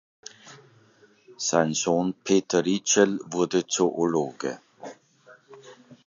Sein Sohn Peter Rietschel wurde Zoologe.